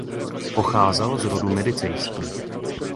Pocházel z rodu Medicejských.